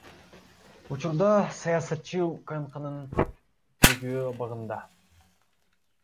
Учурда саясатчы УКМКнын тергөө абагында.